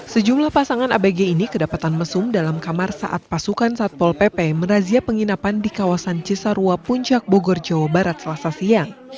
sejumlah pasangan abg ini kedapatan mesum dalam kamar saat pasukan satpol pp merazia penginapan di kawasan cisarua puncak bogor jawa barat selasa siang